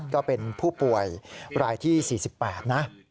ก็เป็นผู้ป่วยรายที่๔๘นะ